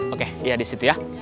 oke iya disitu ya